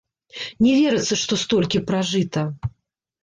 Не верыцца, што столькі пражыта.